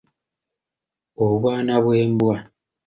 Obwana bw’embwa.